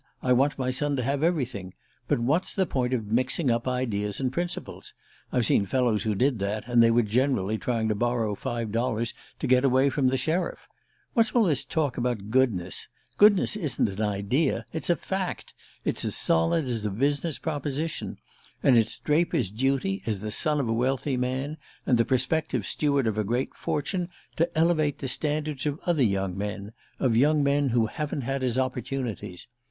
"I want my son to have everything. But what's the point of mixing up ideas and principles? I've seen fellows who did that, and they were generally trying to borrow five dollars to get away from the sheriff. What's all this talk about goodness? Goodness isn't an idea. It's a fact. It's as solid as a business proposition. And it's Draper's duty, as the son of a wealthy man, and the prospective steward of a great fortune, to elevate the standards of other young men of young men who haven't had his opportunities.